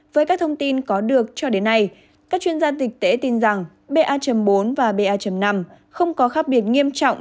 với các thông tin có được cho đến nay các chuyên gia dịch tễ tin rằng ba bốn và ba năm không có khác biệt nghiêm trọng